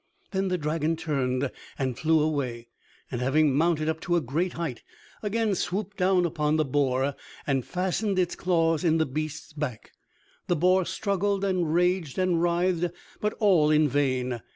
Then the dragon turned and flew away, and having mounted up to a great height, again swooped down upon the boar and fastened its claws in the beast's back. The boar struggled, and raged, and writhed, but all in vain.